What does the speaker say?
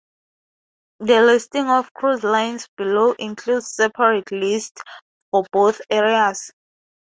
The listing of cruise lines below includes separate lists for both areas.